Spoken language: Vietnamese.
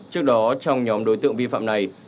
trước đó trong nhóm đối tượng vi phạm này